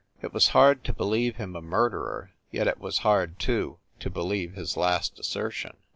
It was hard to believe him a murderer, yet it was hard, too, to believe his last assertion.